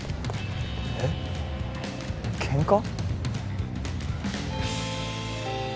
えっケンカ？